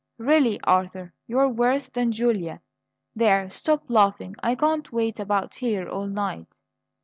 "Really, Arthur, you're worse than Julia; there, stop laughing! I can't wait about here all night."